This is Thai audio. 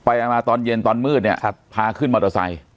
มาตอนเย็นตอนมืดเนี่ยพาขึ้นมอเตอร์ไซค์